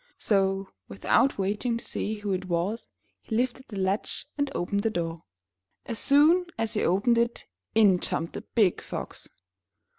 So without waiting to see who it was, he lifted the latch and opened the door. As soon as he opened it, in jumped the big Fox.